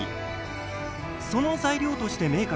その材料としてめいか